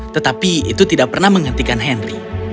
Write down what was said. tetapi itu tidak pernah menghentikan henry